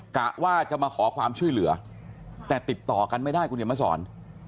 กะว่าจะมาขอความช่วยเหลือแต่ติดต่อกันไม่ได้คุณเห็นมาสอน